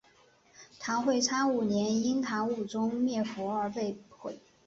唐会昌五年因唐武宗灭佛而被毁。